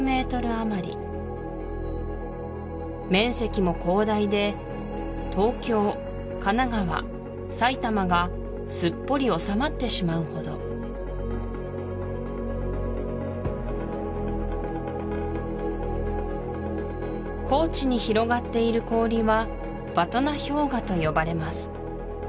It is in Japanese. あまり面積も広大で東京神奈川埼玉がすっぽり収まってしまうほど高地に広がっている氷はヴァトナ氷河と呼ばれます